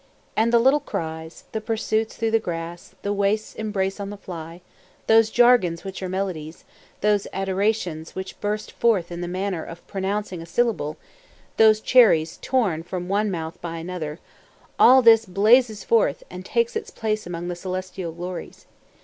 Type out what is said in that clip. And the little cries, the pursuits through the grass, the waists embraced on the fly, those jargons which are melodies, those adorations which burst forth in the manner of pronouncing a syllable, those cherries torn from one mouth by another,—all this blazes forth and takes its place among the celestial glories.